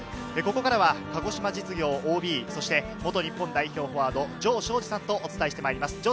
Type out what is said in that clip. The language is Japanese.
ここからは鹿児島実業ＯＢ、そして元日本代表フォワード・城彰二さんとお伝えしてまいります。